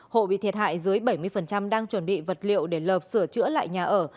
hộ bị thiệt hại dưới bảy mươi đang chuẩn bị vật liệu để lợp sửa chữa lại nhà ở